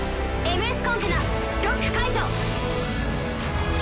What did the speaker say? ＭＳコンテナロック解除。